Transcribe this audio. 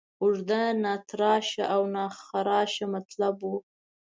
اوږده، ناتراشه او ناخراشه مطالب وو.